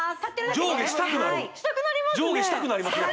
上下したくなりますね